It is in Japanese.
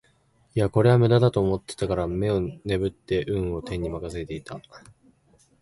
いやこれは駄目だと思ったから眼をねぶって運を天に任せていた